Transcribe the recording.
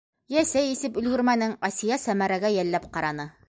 Йә сәй эсеп өлгөрмәнең, - Асия Сәмәрәгә йәлләп ҡараны.